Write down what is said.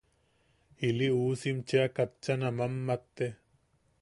Ili uusim cheʼa katchan a mammatte.